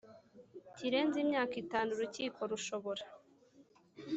Kirenze Imyaka Itanu Urukiko Rushobora